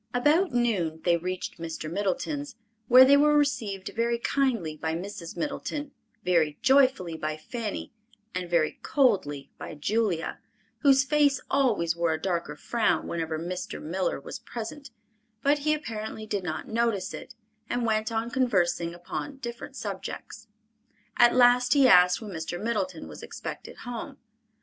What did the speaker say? About noon they reached Mr. Middleton's, where they were received very kindly by Mrs. Middleton, very joyfully by Fanny, and very coldly by Julia, whose face always wore a darker frown whenever Mr. Miller was present; but he apparently did not notice it, and went on conversing upon different subjects. At last he asked when Mr. Middleton was expected home.